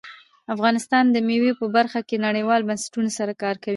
افغانستان د مېوې په برخه کې نړیوالو بنسټونو سره کار کوي.